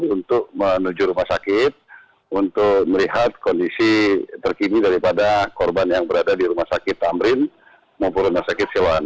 untuk menuju rumah sakit untuk melihat kondisi terkini daripada korban yang berada di rumah sakit tamrin maupun rumah sakit siloan